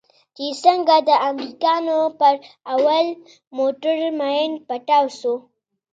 چې څنگه د امريکانو پر اول موټر ماين پټاو سو.